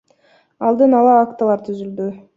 Алдын ала актылар түзүлдү.